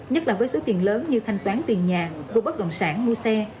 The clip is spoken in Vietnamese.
nhất là với số tiền lớn như thanh toán tiền nhà bộ bất đồng sản mua xe